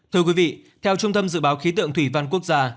thưa quý vị theo trung tâm dự báo khí tượng thủy văn quốc gia